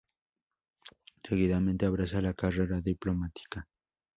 Seguidamente abraza la carrera diplomática.